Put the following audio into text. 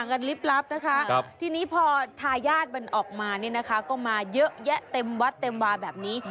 กันลิบลับนะคะทีนี้พอทายาทมันออกมาเนี่ยนะคะก็มาเยอะแยะเต็มวัดเต็มวาแบบนี้